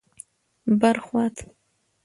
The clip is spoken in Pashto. بر خوات: